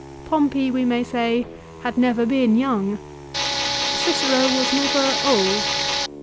Pompey we may say had never been young. Cicero was never old.